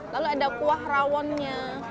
lalu ada kuah rawonnya